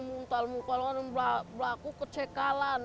muntal muka luar belaku kecekalan